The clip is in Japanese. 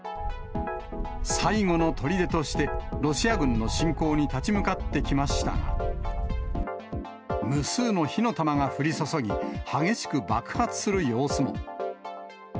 最後のとりでとしてロシア軍の侵攻に立ち向かってきましたが、無数の火の玉が降り注ぎ、激しく爆発する様子も。